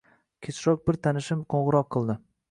Kechroq bir tanishim qoʻngʻiroq qildi